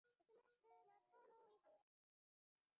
Nitampeleka nyumbani kwetu keshowe